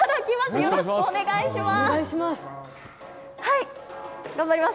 よろしくお願いします。